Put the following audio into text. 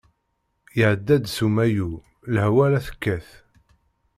Iɛedda-d s umayu, lehwa la tekkat.